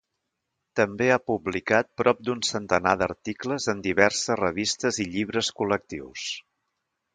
També ha publicat prop d'un centenar d'articles en diverses revistes i llibres col·lectius.